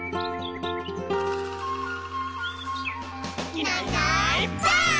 「いないいないばあっ！」